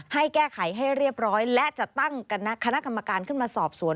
ให้แก้ไขให้เรียบร้อยและจะตั้งคณะกรรมการขึ้นมาสอบสวน